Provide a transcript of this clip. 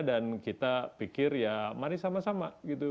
dan kita pikir ya mari sama sama gitu